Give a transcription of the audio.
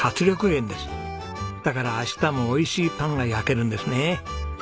だから明日も美味しいパンが焼けるんですね。